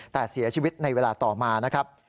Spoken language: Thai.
แต่เสียชีวิตในเวลาต่อมานะครับ